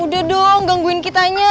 udah dong gangguin kitanya